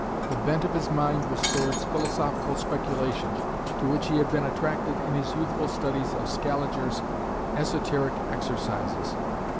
The bent of his mind was towards philosophical speculation, to which he had been attracted in his youthful studies of Scaliger's "Exoteric Exercises".